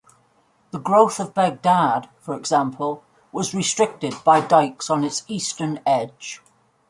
The growth of Baghdad, for example, was restricted by dikes on its eastern edge.